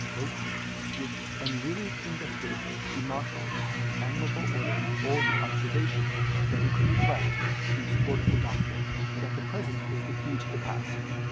"With unwearied industry he marshalled in admirable order all the observations that he could collect in support of the doctrine that the present is the key to the past.